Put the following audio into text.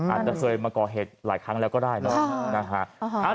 อาจจะมาก่อเหตุหลายครั้งแล้วก็ได้นะครับ